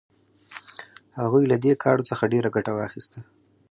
هغوی له دې کاڼو څخه ډیره ګټه واخیسته.